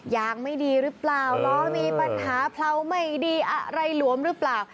ยางไม่ดีหรือเปล่าล้อมีปัญหาเผลาไม่ดีอะไรหลวมหรือเปล่า